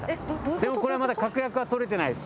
でもこれはまだ確約は取れてないです。